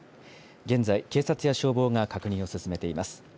現在、警察や消防が確認を進めています。